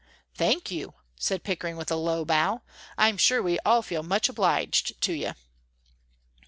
"Thank you," said Pickering, with a low bow, "I'm sure we all feel much obliged to you."